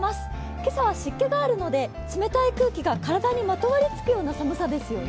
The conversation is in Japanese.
今朝は湿気があるので冷たい空気が体にまとわりつくような寒さですよね。